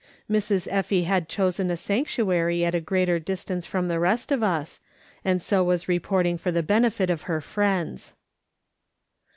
Miss Effie had chosen a sanctuary at a greater distance than the rest of us, and so was reporting for the benefit of her friends.